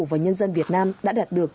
và nhân dân việt nam đã đạt được